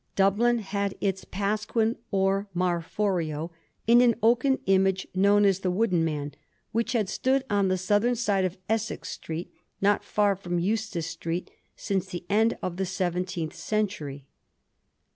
Dublin had its Pasquin or Marforio in an oaken image, known as the ^Wooden Man,' which had stood on the southern side of Essex Street, not fiur fix>m Eustace Street, since the end of the seven teenth century.